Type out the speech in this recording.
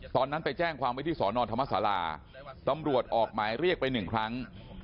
ตอนนั้นไปแจ้งความไว้ที่สอนอธรรมศาลาตำรวจออกหมายเรียกไปหนึ่งครั้ง